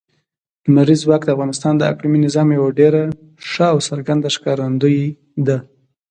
لمریز ځواک د افغانستان د اقلیمي نظام یوه ډېره ښه او څرګنده ښکارندوی ده.